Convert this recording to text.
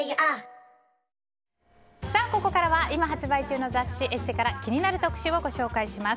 ここからは今発売中の雑誌「ＥＳＳＥ」から気になる特集をご紹介します。